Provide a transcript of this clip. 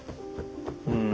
うん。